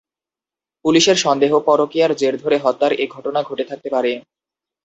পুলিশের সন্দেহ, পরকীয়ার জের ধরে হত্যার এ ঘটনা ঘটে থাকতে পারে।